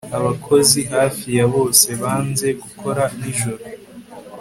Abakozi hafi ya bose banze gukora nijoro